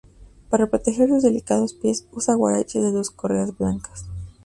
Para proteger sus delicados pies, usa huaraches de dos correas blancas.